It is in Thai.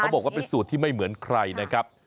บอกว่าเป็นสูตรที่ไม่เหมือนใครนะครับ